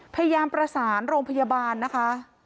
พยายามประสานโรงพยาบาลนะคะ